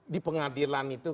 di pengadilan itu